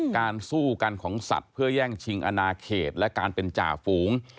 การสู้กันของสัตว์เพื่อแย่งชิงอนาเขตและการเป็นจ่าฝูง